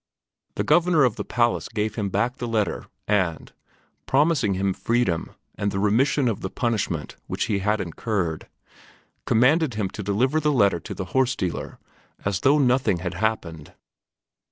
The Governor of the Palace gave him back the letter and, promising him freedom and the remission of the punishment which he had incurred, commanded him to deliver the letter to the horse dealer as though nothing had happened.